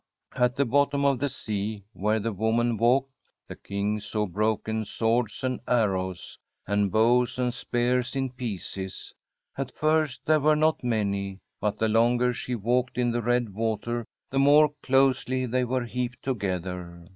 At the bottom of the sea, where the woman walked, th^ King saw broken swords and SIGRID STORRADE arrows, and bows and spears in pieces. At first there were not many, but the longer she walked in tlie red water the more closely they were heaped together.